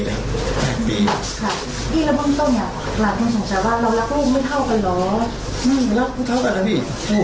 ช่วยสิ่งที่สุดที่สุด